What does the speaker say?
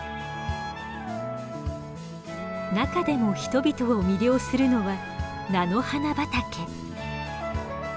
中でも人々を魅了するのは菜の花畑。